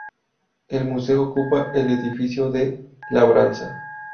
El museo ocupa el edificio de labranza.